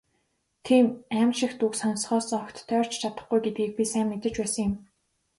Тийм «аймшигт» үг сонсохоос огт тойрч чадахгүй гэдгийг би сайн мэдэж байсан юм.